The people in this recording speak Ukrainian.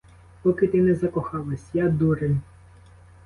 Поки ти не закохалась — я дурень.